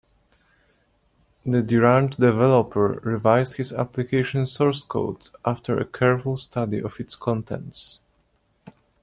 The deranged developer revised his application source code after a careful study of its contents.